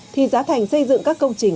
thì giá thành xây dựng các công trình